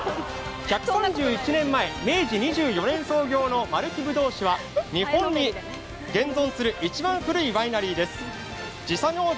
１３１年前、明治２４年創業のまるき葡萄酒は日本に現存する一番古いワイナリーです。